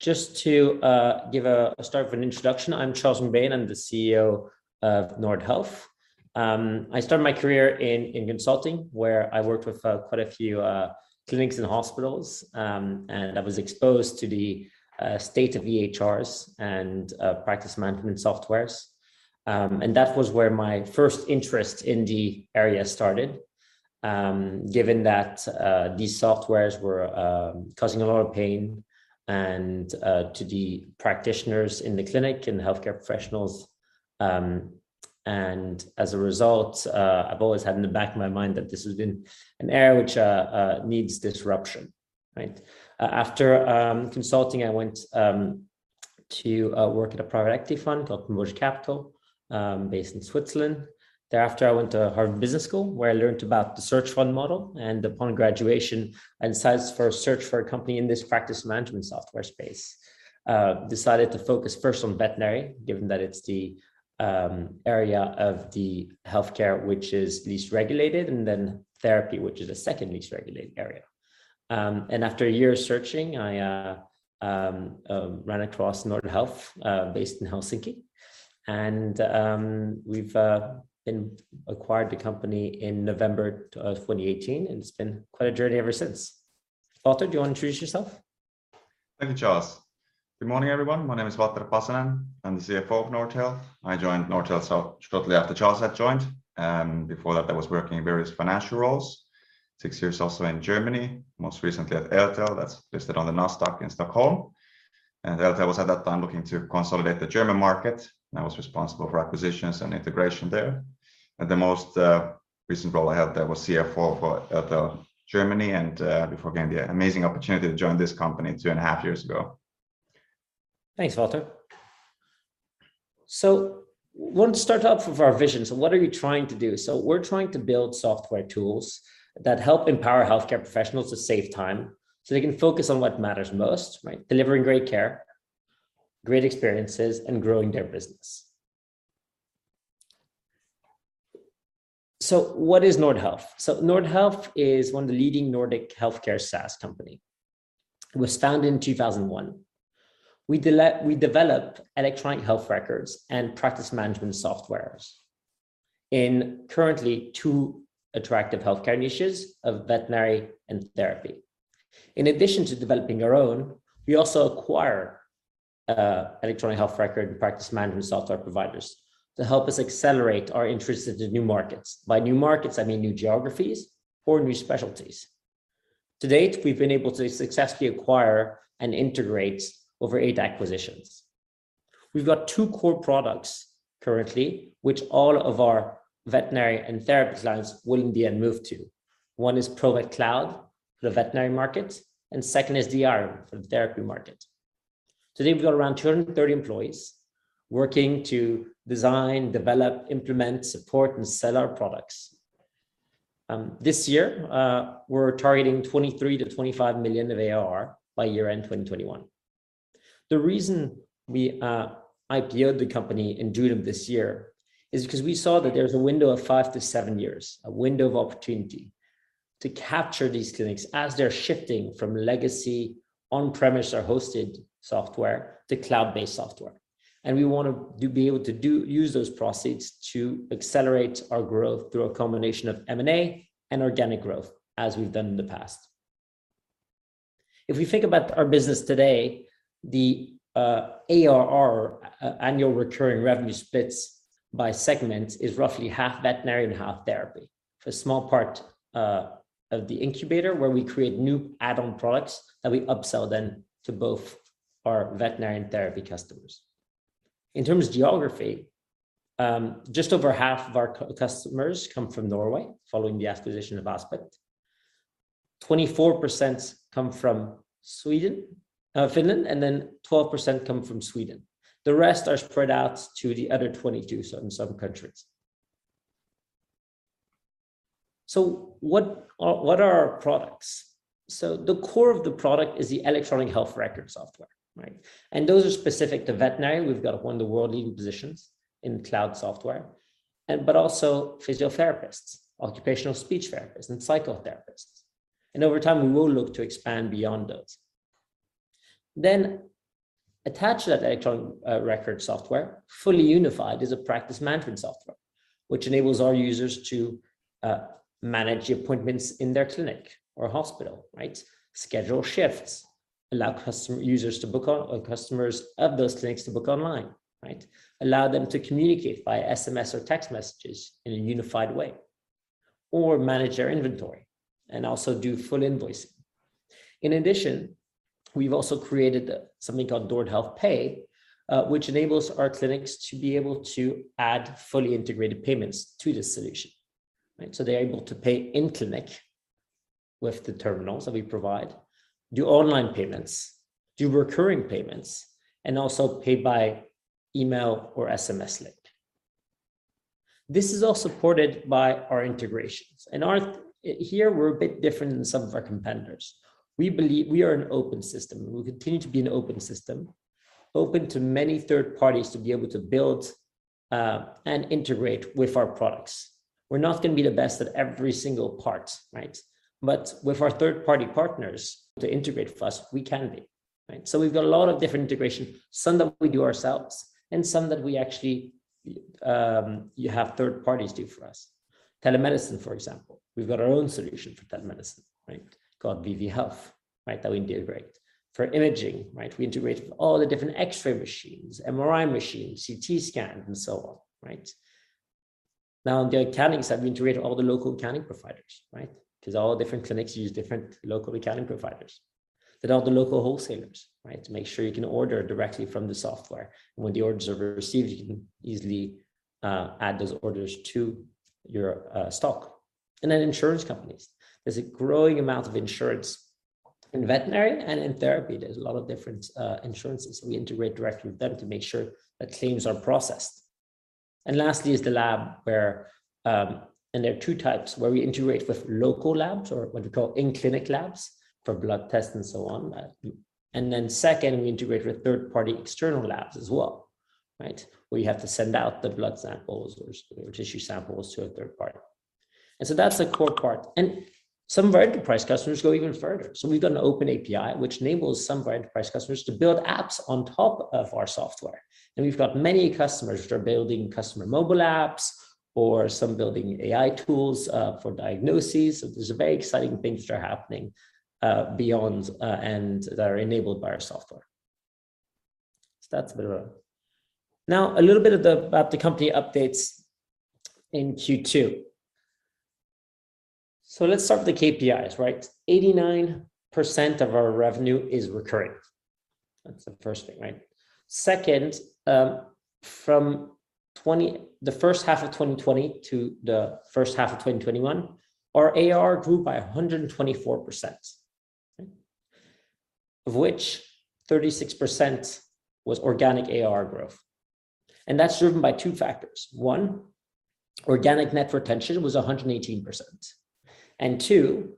Just to give a start of an introduction, I'm Charles MacBain. I'm the CEO of Nordhealth. I started my career in consulting, where I worked with quite a few clinics and hospitals, and I was exposed to the state of EHRs and practice management softwares. That was where my first interest in the area started, given that these softwares were causing a lot of pain to the practitioners in the clinic and the healthcare professionals. As a result, I've always had in the back of my mind that this has been an area which needs disruption. Right? After consulting, I went to work at a private equity fund called Promus Capital, based in Switzerland. Thereafter, I went to Harvard Business School, where I learned about the search fund model, and upon graduation, I searched for a company in this practice management software space. Decided to focus first on veterinary, given that it's the area of the healthcare which is least regulated, then therapy, which is the second least regulated area. After a year of searching, I ran across Nordhealth, based in Helsinki. We've acquired the company in November of 2018, and it's been quite a journey ever since. Valter, do you want to introduce yourself? Thank you, Charles. Good morning, everyone. My name is Valter Pasanen. I'm the CFO of Nordhealth. I joined Nordhealth shortly after Charles had joined. Before that, I was working in various financial roles, six years also in Germany, most recently at Eltel, that's listed on the NASDAQ in Stockholm. Eltel was, at that time looking to consolidate the German market, and I was responsible for acquisitions and integration there. At the most recent role I had there was CFO for Eltel Germany, and before getting the amazing opportunity to join this company two and a half years ago. Thanks, Valter. Want to start off with our vision. What are we trying to do? We're trying to build software tools that help empower healthcare professionals to save time so they can focus on what matters most, right? Delivering great care, great experiences, and growing their business. What is Nordhealth? Nordhealth is one of the leading Nordic healthcare SaaS company. It was founded in 2001. We develop electronic health records and practice management softwares in currently two attractive healthcare niches of veterinary and therapy. In addition to developing our own, we also acquire electronic health record and practice management software providers to help us accelerate our interest into new markets. By new markets, I mean new geographies or new specialties. To date, we've been able to successfully acquire and integrate over eight acquisitions. We've got two core products currently, which all of our veterinary and therapy clients will in the end move to. One is Provet Cloud for the veterinary market, and second is Diarium for the therapy market. Today, we've got around 230 employees working to design, develop, implement, support, and sell our products. This year, we're targeting 23 million-25 million of ARR by year-end 2021. The reason we IPO'd the company in June of this year is because we saw that there's a window of five to seven years, a window of opportunity to capture these clinics as they're shifting from legacy on-premise or hosted software to cloud-based software. We want to be able to use those proceeds to accelerate our growth through a combination of M&A and organic growth, as we've done in the past. If we think about our business today, the ARR, annual recurring revenue, splits by segment is roughly half veterinary and half therapy. A small part of the incubator where we create new add-on products that we upsell then to both our veterinary and therapy customers. In terms of geography, just over half of our customers come from Norway, following the acquisition of Aspit. A 24% come from Finland, 12% come from Sweden. The rest are spread out to the other 22 certain countries. What are our products? The core of the product is the electronic health record software. Right? Those are specific to veterinary. We've got one of the world leading positions in cloud software. Also physiotherapists, occupational speech therapists, and psychotherapists. Over time, we will look to expand beyond those. Attached to that electronic record software, fully unified, is a practice management software, which enables our users to manage the appointments in their clinic or hospital, right. Schedule shifts, allow customers of those clinics to book online, right. Allow them to communicate via SMS or text messages in a unified way, or manage their inventory, and also do full invoicing. In addition, we've also created something called Nordhealth Pay, which enables our clinics to be able to add fully integrated payments to the solution. Right. They're able to pay in-clinic with the terminals that we provide, do online payments, do recurring payments, and also pay by email or SMS link. This is all supported by our integrations. Here, we're a bit different than some of our competitors. We are an open system, and we'll continue to be an open system. Open to many third parties to be able to build and integrate with our products. We're not going to be the best at every single part, right? But with our third-party partners to integrate with us, we can be, right? We've got a lot of different integration, some that we do ourselves and some that we actually you have third parties do for us. Telemedicine, for example, we've got our own solution for telemedicine, called VV Health, that we integrate. For imaging, right? We integrate with all the different X-ray machines, MRI machines, CT scans, and so on, right? Now, in the accounting side, we integrate all the local accounting providers, right. Because all the different clinics use different local accounting providers. All the local wholesalers, right, to make sure you can order directly from the software, and when the order is received, you can easily add those orders to your stock. Insurance companies. There's a growing amount of insurance in veterinary and in therapy. There's a lot of different insurances, so we integrate directly with them to make sure that claims are processed. Lastly is the lab, and there are two types where we integrate with local labs or what we call in-clinic labs for blood tests and so on. Second, we integrate with third-party external labs as well, right, where you have to send out the blood samples or tissue samples to a third party. And so, that's the core part. Some of our enterprise customers go even further. We've got an open API, which enables some of our enterprise customers to build apps on top of our software. We've got many customers that are building customer mobile apps or some building AI tools for diagnoses. There's very exciting things that are happening beyond and that are enabled by our software. That's been around. Now, a little bit about the company updates in Q2. So, let's start with the KPIs right? A 89% of our revenue is recurring. That's the first thing, right? Second, from the first half of 2020 to the first half of 2021, our ARR grew by 124%, of which 36% was organic ARR growth. And that's driven by two factors. One, organic net retention was 118%. Two,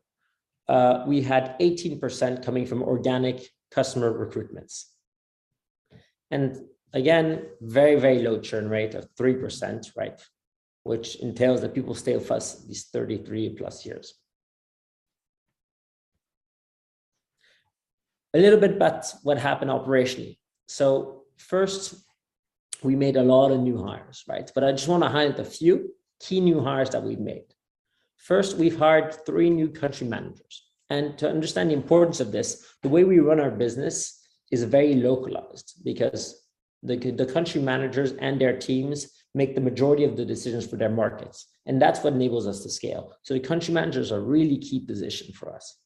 we had 18% coming from organic customer recruitments. Again, very low churn rate of 3%, right, which entails that people stay with us these 33+ years. A little bit about what happened operationally. First, we made a lot of new hires, right? But I just want to highlight a few key new hires that we've made. First, we've hired three new country managers. To understand the importance of this, the way we run our business is very localized because the country managers and their teams make the majority of the decisions for their markets, and that's what enables us to scale. The country managers are really key position for us.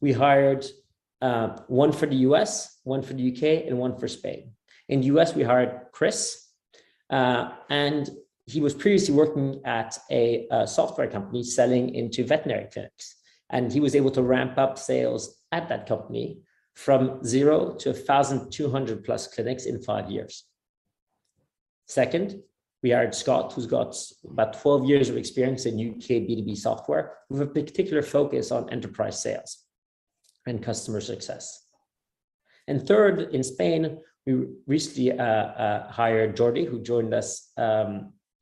We hired one for the U.S., one for the U.K., and one for Spain. In the U.S., we hired Chris, and he was previously working at a software company selling into veterinary clinics, and he was able to ramp up sales at that company from 0 to 1,200+ clinics in five years. Second, we hired Scott, who's got about 12 years of experience in U.K. B2B software with a particular focus on enterprise sales and customer success. Third, in Spain, we recently hired Jordi, who joined us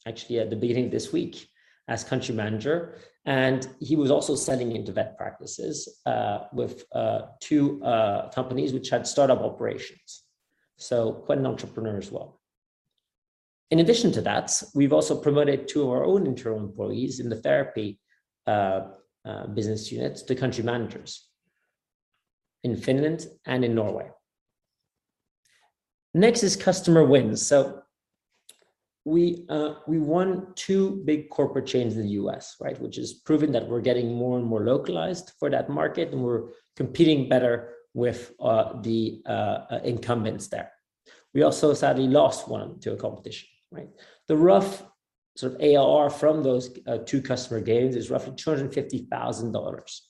actually at the beginning this week as country manager, and he was also selling into vet practices with two companies which had startup operations. Quite an entrepreneur as well. In addition to that, we've also promoted two of our own internal employees in the therapy business unit to country managers in Finland and in Norway. Next is customer wins. We won two big corporate chains in the U.S., right, which is proving that we're getting more and more localized for that market, and we're competing better with the incumbents there. We also sadly lost one to a competition. The rough sort of ARR from those two customer gains is roughly $250,000.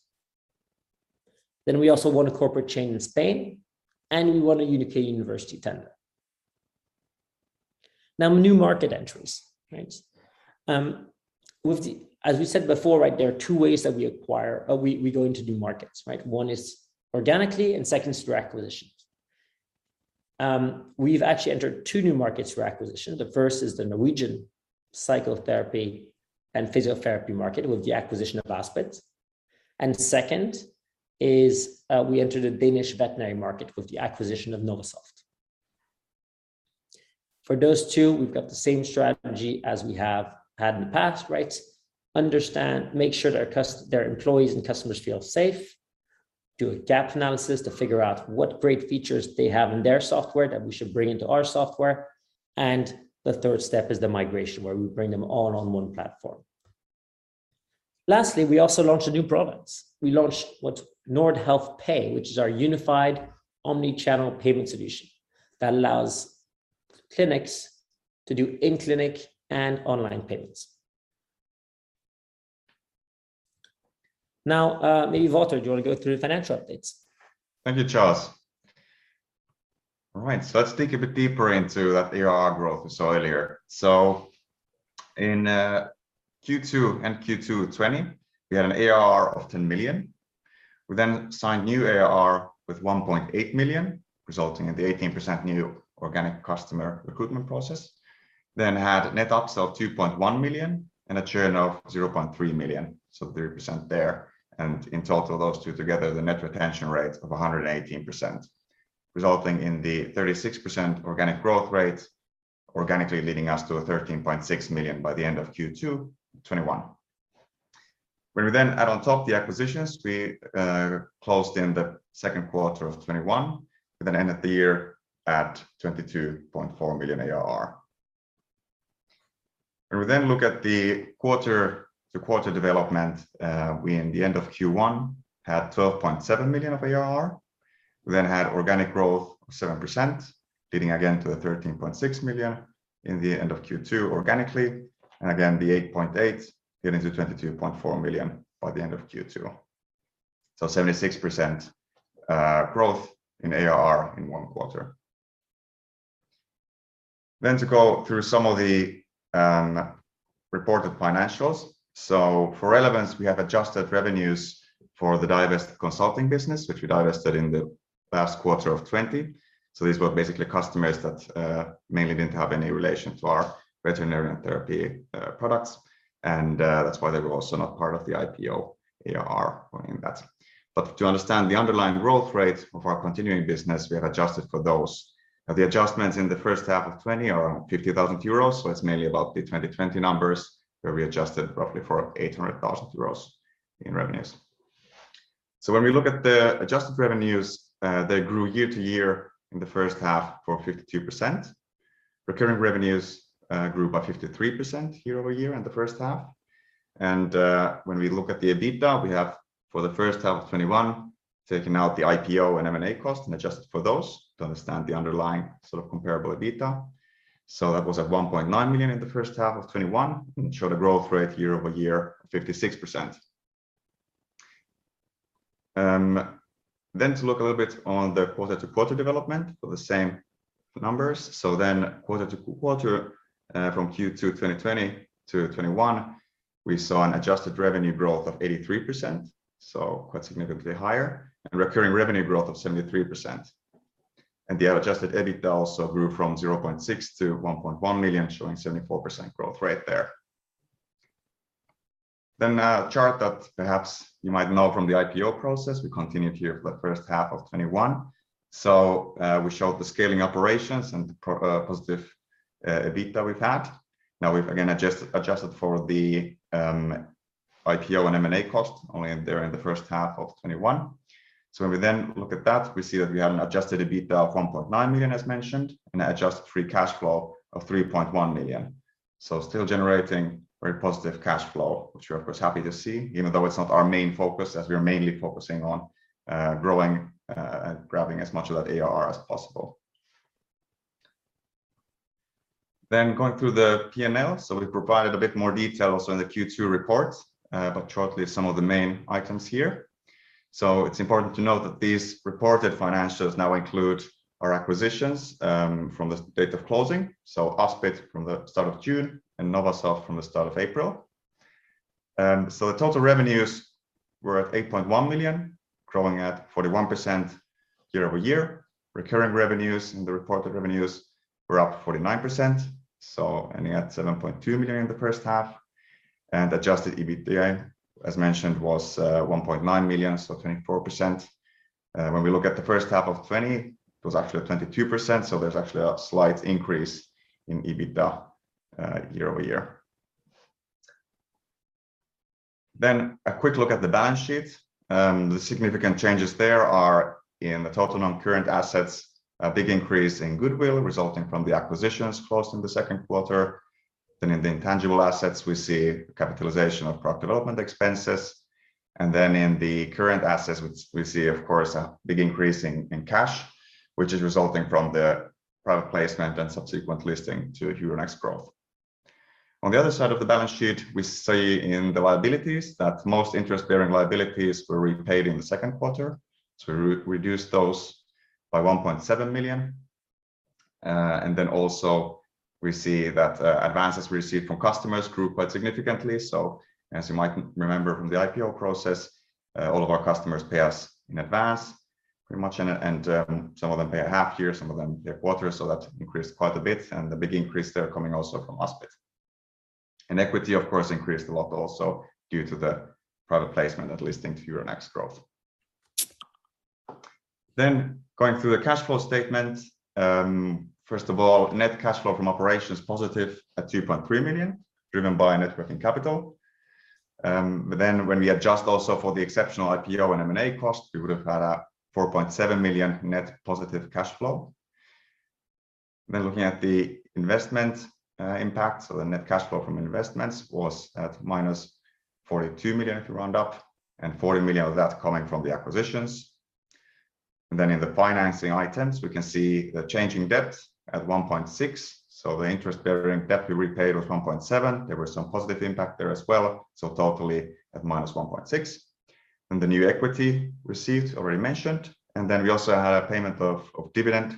Then, we also won a corporate chain in Spain, and we won a U.K. university tender. New market entries, right. As we said before, right, there are two ways that we go into new markets, right. One is organically, and second is through acquisitions. We've actually entered two new markets through acquisition. The first is the Norwegian psychotherapy and physiotherapy market with the acquisition of Aspit. And second is we entered the Danish veterinary market with the acquisition of Novasoft. For those two, we've got the same strategy as we have had in the past, right? Understand, make sure their employees and customers feel safe, do a gap analysis to figure out what great features they have in their software that we should bring into our software, and the third step is the migration, where we bring them all on one platform. Lastly, we also launched a new product. We launched what's Nordhealth Pay, which is our unified omnichannel payment solution that allows clinics to do in-clinic and online payments. Now, maybe, Valter, do you want to go through the financial updates? Thank you, Charles. All right, let's dig a bit deeper into that ARR growth we saw earlier. So, in Q2 and Q2 2020, we had an ARR of 10 million. We then signed new ARR with 1.8 million, resulting in the 18% new organic customer recruitment process. Then, had net upsell of 2.1 million and a churn of 0.3 million, so 3% there. In total, those two together, the net retention rate of 118%, resulting in the 36% organic growth rate, organically leading us to 13.6 million by the end of Q2 2021. When we then add on top the acquisitions, we closed in the second quarter of 2021, we then ended the year at 22.4 million ARR. And then, look at the quarter-to-quarter development, we in the end of Q1 had 12.7 million of ARR. We had organic growth of 7%, leading again to 13.6 million in the end of Q2 organically, and again, the 8.8 million getting to 22.4 million by the end of Q2. So, 76% growth in ARR in one quarter. And to go through some of the reported financials. So for relevance, we have adjusted revenues for the divested consulting business, which we divested in the last quarter of 2020. These were basically customers that mainly didn't have any relation to our veterinarian therapy products, and that's why they were also not part of the IPO ARR in that. To understand the underlying growth rate of our continuing business, we have adjusted for those. The adjustments in the first half of 2020 are 50,000 euros, so it's mainly about the 2020 numbers, where we adjusted roughly for 800,000 euros in revenues. When we look at the adjusted revenues, they grew year-over-year in the first half for 52%. Recurring revenues grew by 53% year-over-year in the first half. When we look at the EBITDA, we have, for the first half of 2021, taken out the IPO and M&A cost and adjusted for those to understand the underlying comparable EBITDA. So that was at 1.9 million in the first half of 2021, and showed a growth rate year-over-year of 56%. Then, to look a little bit on the quarter-over-quarter development for the same numbers. so them quarter-over-quarter from Q2 2020 to 2021, we saw an adjusted revenue growth of 83%, so quite significantly higher, and recurring revenue growth of 73%. The adjusted EBITDA also grew from 0.6 million to 1.1 million, showing 74% growth rate there. A chart that perhaps you might know from the IPO process, we continued here for the first half of 2021. We showed the scaling operations and the positive EBITDA we've had. Now we've again adjusted for the IPO and M&A cost only there in the first half of 2021. So we then, when we then look at that, we see that we had an adjusted EBITDA of 1.9 million as mentioned, and adjusted free cash flow of 3.1 million. So, still generating very positive cash flow, which we're of course, happy to see, even though it's not our main focus as we are mainly focusing on growing and grabbing as much of that ARR as possible. Then, going through the P&L. We provided a bit more detail also in the Q2 report, but shortly, some of the main items here. So it's important to note that these reported financials now include our acquisitions from the date of closing, Aspit from the start of June and Novasoft from the start of April. The total revenues were at 8.1 million, growing at 41% year-over-year. Recurring revenues in the reported revenues were up 49%, ending at 7.2 million in the first half. And adjusted EBITDA, again, as mentioned, was 1.9 million, something 24%. When we look at the first half of 2020, it was actually at 22%, so there's actually a slight increase in EBITDA year-over-year. Then, aquick look at the balance sheet. The significant changes there are in the total non-current assets, a big increase in goodwill resulting from the acquisitions closed in the second quarter. In the intangible assets, we see capitalization of product development expenses. And then, in the current assets, we see, of course, a big increase in cash, which is resulting from the private placement and subsequent listing to Euronext Growth. On the other side of the balance sheet, we see in the liabilities that most interest-bearing liabilities were repaid in the second quarter. We reduced those by 1.7 million. An then, also we see that advances received from customers grew quite significantly. As you might remember from the IPO process, all of our customers pay us in advance, pretty much, and some of them pay a half year, some of them their quarter. That increased quite a bit and the big increase there coming also from Aspit. Equity, of course, increased a lot also due to the private placement and listing to Euronext Growth. Then, going through the cash flow statement. First of all, net cash flow from operations positive at 2.3 million, driven by net working capital. When we adjust also for the exceptional IPO and M&A cost, we would have had a 4.7 million net positive cash flow. Then, looking at the investment impact, the net cash flow from investments was at -42 million if you round up, and 40 million of that coming from the acquisitions. And in the financing items, we can see the change in debt at 1.6 million. The interest-bearing debt we repaid was 1.7 million. There was some positive impact there as well. Totally at -1.6 million. The new equity received, already mentioned. An then, we also had a payment of dividend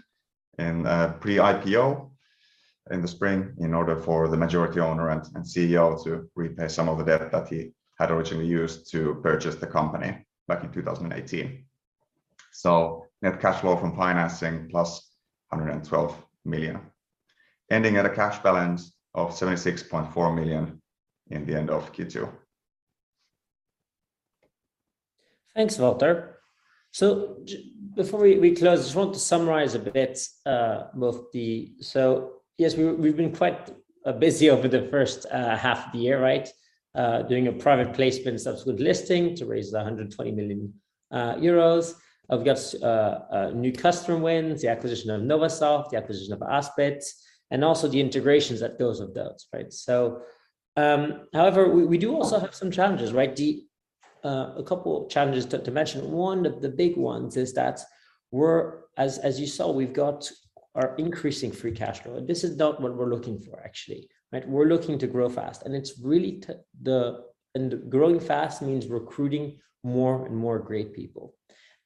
in pre-IPO in the spring, in order for the majority owner and CEO to repay some of the debt that he had originally used to purchase the company back in 2018. So net cash flow from financing, plus, 112 million, ending at a cash balance of 76.4 million in the end of Q2. Thanks, Valter. Before we close, I just want to summarize a bit. We've been quite busy over the first half of the year, right? Doing a private placement, subsequent listing to raise 120 million euros. We've got new customer wins, the acquisition of Novasoft, the acquisition of Aspit, and also the integrations that goes with those. However, we do also have some challenges, right? A couple of challenges to mention. One of the big ones is that, as you saw, we've got our increasing free cash flow, and this is not what we're looking for, actually. We're looking to grow fast, and growing fast means recruiting more and more great people.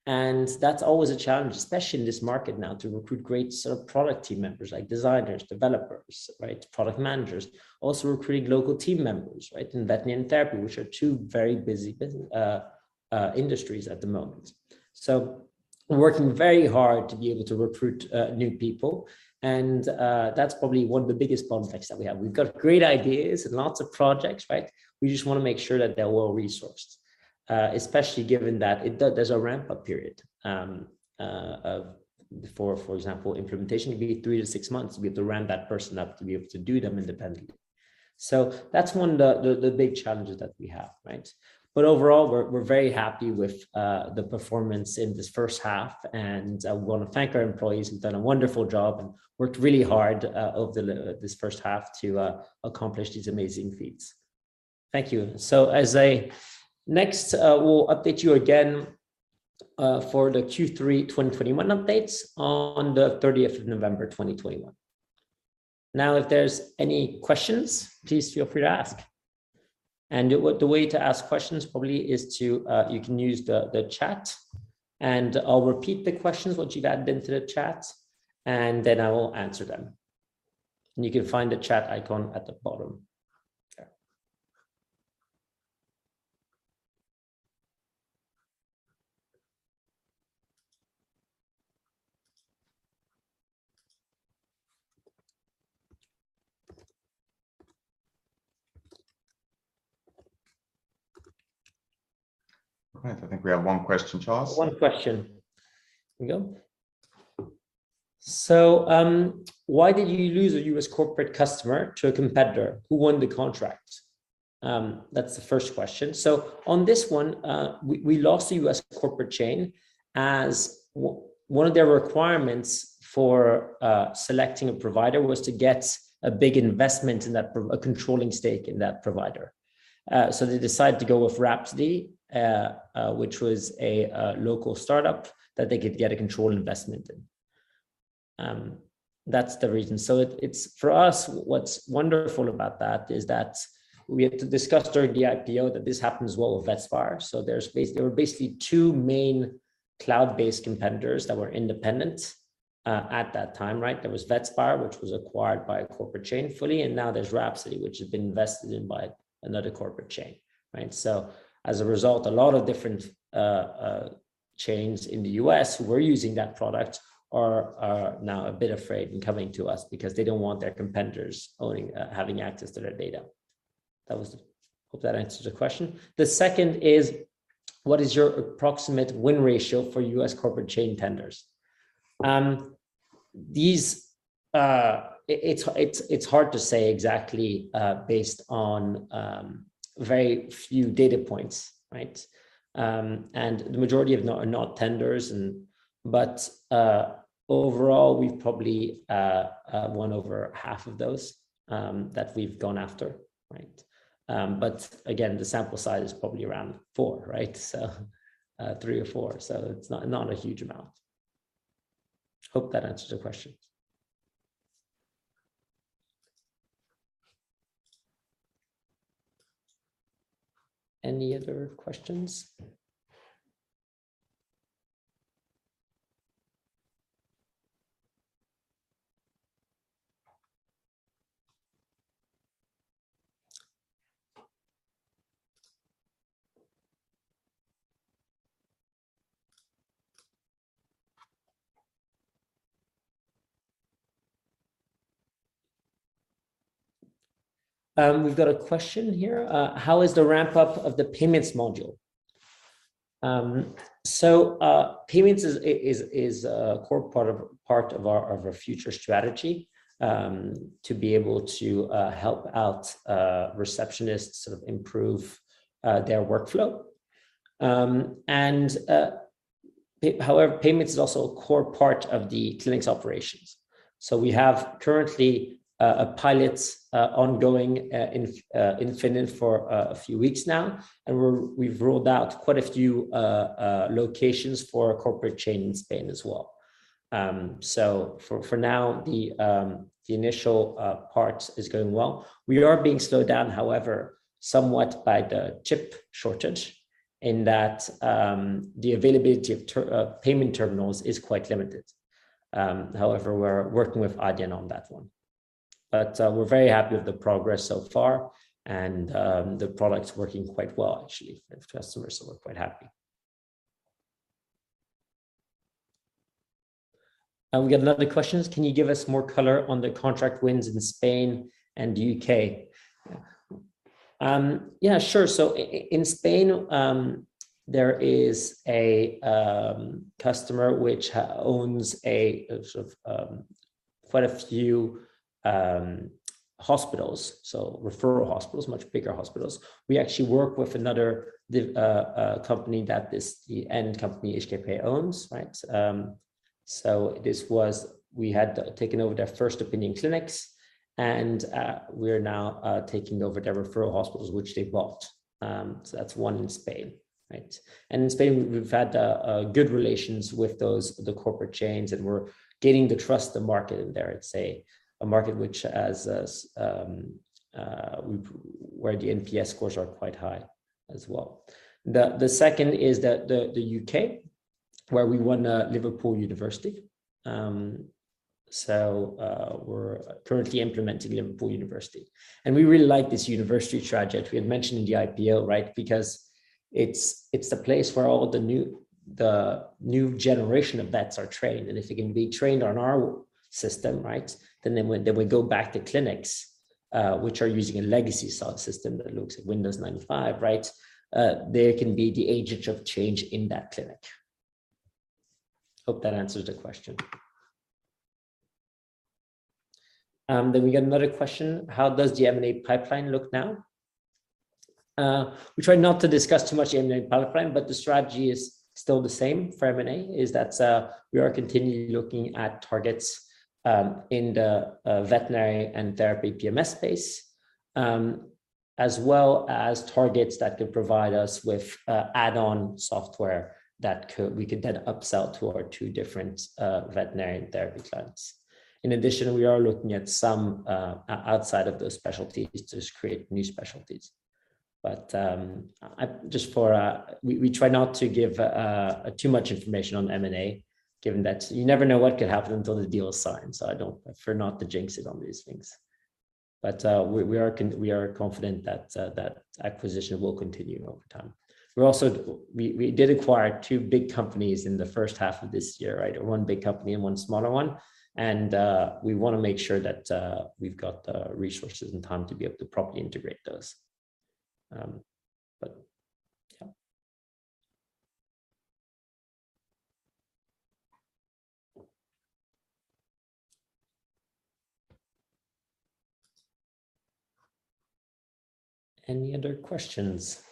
And that's always a challenge, especially in this market now, to recruit great product team members like designers, developers, right, product managers. Also recruiting local team members, right, in Vet and Therapy, which are two very busy industries at the moment. We're working very hard to be able to recruit new people, and that's probably one of the biggest bottlenecks that we have. We've got great ideas and lots of projects, right? We just want to make sure that they're well-resourced, especially given that there's a ramp-up period. For example, implementation can be three-to-six months. We have to ramp that person up to be able to do them independently. So, that's one of the big challenges that we have. Overall, we're very happy with the performance in this first half, and I want to thank our employees who've done a wonderful job and worked really hard over this first half to accomplish these amazing feats. Thank you. Next, we'll update you again for the Q3 2021 updates on the 30th of November 2021. If there's any questions, please feel free to ask. The way to ask questions probably is you can use the chat, and I'll repeat the questions, what you've added into the chat, and then I will answer them. You can find the chat icon at the bottom. Okay. All right. I think we have one question, Charles. One question. Here we go. So, why did you lose a U.S. corporate customer to a competitor? Who won the contract? That's the first question. On this one, we lost a U.S. corporate chain as one of their requirements for selecting a provider was to get a big investment, a controlling stake in that provider. They decided to go with Rhapsody, which was a local startup that they could get a controlled investment in. That's the reason. For us, what's wonderful about that is that we had to discuss during the IPO that this happened as well with Vetspire. There were basically two main cloud-based competitors that were independent at that time, right? There was Vetspire, which was acquired by a corporate chain fully, and now there's Rhapsody, which has been invested in by another corporate chain. As a result, a lot of different chains in the U.S. who were using that product are now a bit afraid in coming to us because they don't want their competitors having access to their data. Hope that answers the question. The second is, what is your approximate win ratio for U.S. corporate chain tenders? It's hard to say exactly based on very few data points, right? The majority are not tenders, but overall, we've probably won over half of those that we've gone after. But again, the sample size is probably around four. Three or four. It's not a huge amount. Hope that answers the question. Any other questions? We've got a question here. How is the ramp-up of the payments module? Payments is a core part of our future strategy to be able to help out receptionists improve their workflow. Payments is also a core part of the clinic's operations. We have currently a pilot ongoing in Finland] for a few weeks now, and we've rolled out quite a few locations for a corporate chain in Spain as well. For now, the initial part is going well. We are being slowed down, however, somewhat by the chip shortage in that the availability of payment terminals is quite limited. We're working with Adyen on that one. We're very happy with the progress so far and the product's working quite well actually with customers, we're quite happy. We got another question, can you give us more color on the contract wins in Spain and U.K.? Yeah, sure. In Spain, there is a customer which owns quite a few hospitals, referral hospitals, much bigger hospitals. We actually work with another company that the end company, HKP, owns. We had taken over their first opinion clinics and we're now taking over their referral hospitals, which they bought. That's one in Spain. In Spain, we've had good relations with those corporate chains, and we're gaining the trust of the market there. And say, a market where the NPS scores are quite high as well. The second is the U.K., where we won [University of Liverpool]. We're currently implementing [University of Liverpool]. We really like this university strategy we had mentioned in the IPO because it's the place where all the new generation of vets are trained. If they can be trained on our system, then they will go back to clinics which are using a legacy system that looks like Windows 95, right? They can be the agent of change in that clinic. Hope that answers the question. We got another question, how does the M&A pipeline look now? We try not to discuss too much the M&A pipeline, but the strategy is still the same for M&A, is that we are continually looking at targets in the veterinary and therapy PMS space, as well as targets that could provide us with add-on software that we could then upsell to our two different veterinary and therapy clients. In addition, we are looking at some outside of those specialties to create new specialties. But we try not to give too much information on M&A, given that you never know what could happen until the deal is signed. I prefer not to jinx it on these things. We are confident that acquisition will continue over time. We did acquire two big companies in the first half of this year. One big company and one smaller one, and we want to make sure that we've got the resources and time to be able to properly integrate those. Yeah. Any other questions?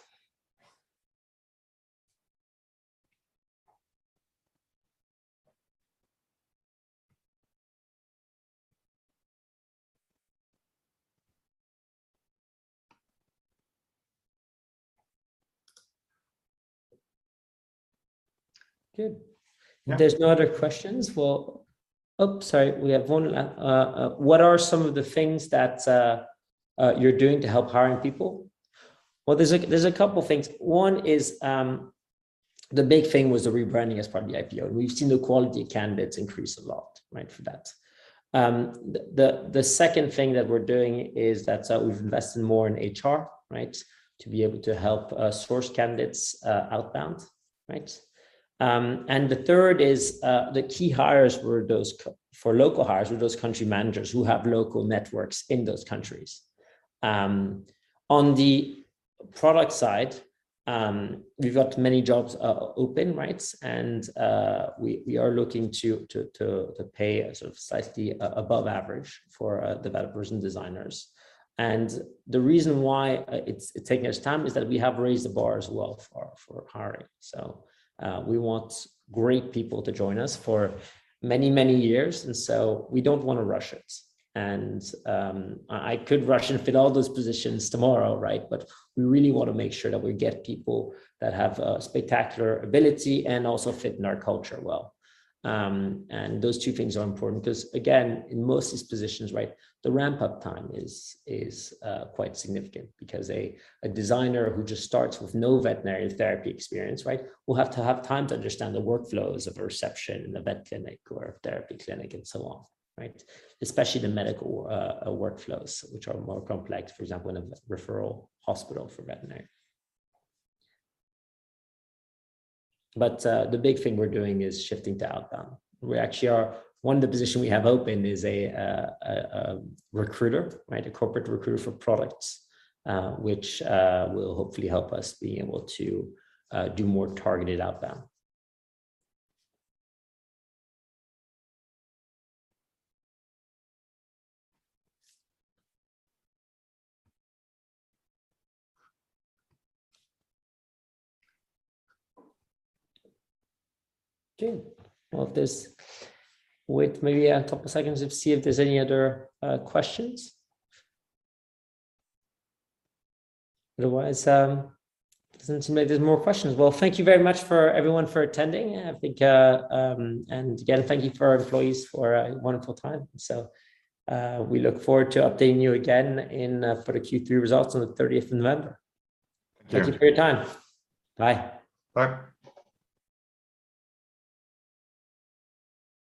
Good. If there's no other questions, well. Oh, sorry, we have one. What are some of the things that you're doing to help hiring people? Well, there's a couple things. One is the big thing was the rebranding as part of the IPO. We've seen the quality of candidates increase a lot for that. The second thing that we're doing is that we've invested more in HR, right, to be able to help us source candidates outbound, right? The third is the key hires for local hires were those country managers who have local networks in those countries. On the product side, we've got many jobs open, rights, and we are looking to pay slightly above average for developers and designers. And the reason why it's taking us time is that we have raised the bar as well for hiring. We want great people to join us for many, many years, and so we don't want to rush it. I could rush and fill all those positions tomorrow, but we really want to make sure that we get people that have spectacular ability and also fit in our culture well. Those two things are important because, again, in most of these positions, the ramp-up time is quite significant because a designer who just starts with no veterinary therapy experience will have to have time to understand the workflows of a reception in a vet clinic or a therapy clinic and so on, right? Especially the medical workflows, which are more complex. For example, in a referral hospital for veterinary. But the big thing we're doing is shifting to outbound. One of the position we have open is a recruiter, a corporate recruiter for products, which will hopefully help us be able to do more targeted outbound. Okay. We'll just wait maybe a couple seconds to see if there's any other questions. Otherwise, doesn't seem there's more questions. Thank you very much for everyone for attending, I think. Again, thank you for our employees for a wonderful time. We look forward to updating you again for the Q3 results on the November 30th. Thank you. Thank you for your time. Bye. Bye.